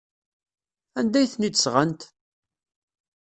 Anda ay ten-id-sɣant?